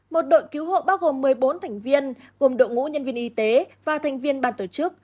một đội cứu hộ bao gồm một mươi bốn thành viên gồm đội ngũ nhân viên y tế và thành viên bàn tổ chức